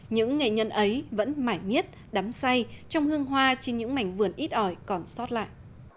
những nghệ nhân ấy vẫn mãi miết đắm say trong hương hoa trên những mảnh vườn ít ỏi còn sót lại